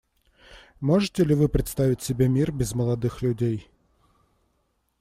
Можете ли вы представить себе мир без молодых людей?